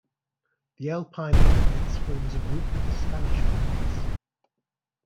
The Alpine ibex forms a group with the Spanish ibex.